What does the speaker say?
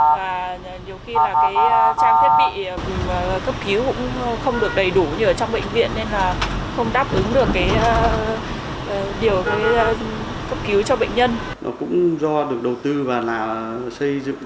và nhiều khi là cái trang thiết bị cấp cứu cũng không được đầy đủ như ở trong bệnh viện nên là không đáp ứng được cái điều cấp cứu này